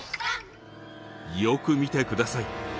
よく見てください。